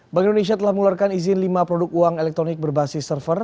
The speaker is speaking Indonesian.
bank indonesia telah mengeluarkan izin lima produk uang elektronik berbasis server